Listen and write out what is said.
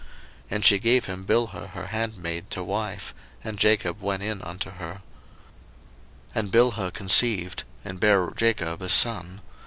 01:030:004 And she gave him Bilhah her handmaid to wife: and Jacob went in unto her. 01:030:005 And Bilhah conceived, and bare Jacob a son.